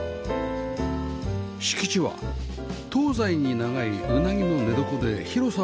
敷地は東西に長いウナギの寝床で広さ